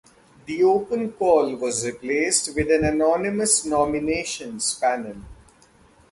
The open call was replaced with an anonymous nominations panel.